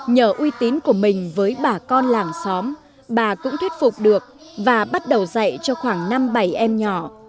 nhờ uy tín của mình với bà con làng xóm bà cũng thuyết phục được và bắt đầu dạy cho khoảng năm bảy em nhỏ